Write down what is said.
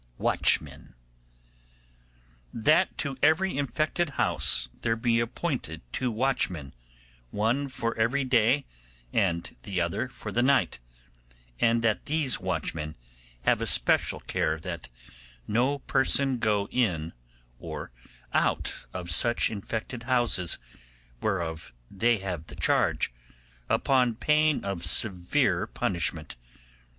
Watchmen. 'That to every infected house there be appointed two watchmen, one for every day, and the other for the night; and that these watchmen have a special care that no person go in or out of such infected houses whereof they have the charge, upon pain of severe punishment.